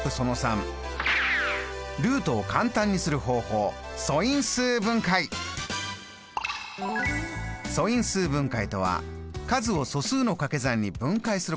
ルートを簡単にする方法素因数分解とは数を素数のかけ算に分解すること。